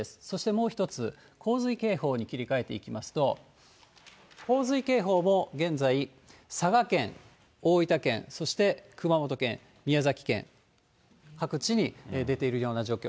もう一つ、洪水警報に切り替えていきますと、洪水警報も、現在、佐賀県、大分県、熊本県、宮崎県、各地に出ているような状況。